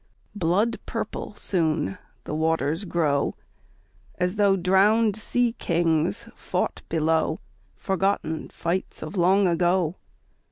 Blood purple soon the waters grow, As though drowned sea kings fought below Forgotten fights of long ago.